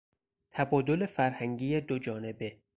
تبادل فرهنگی دوجانبه